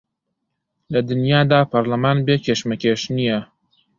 لە دنیادا پەرلەمان بێ کێشمەکێش نییە